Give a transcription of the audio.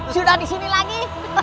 sudah disini lagi